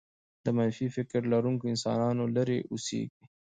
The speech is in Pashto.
د منفي فكر لرونکو انسانانو لرې اوسېږئ.